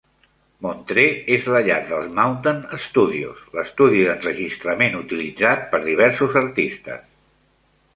Montreux és la llar dels Mountain Studios, l'estudi d'enregistrament utilitzat per diversos artistes.